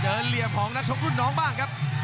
เหลี่ยมของนักชกรุ่นน้องบ้างครับ